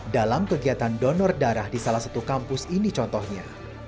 dalam kegiatan donor darah di salah satu kampus ini contohnya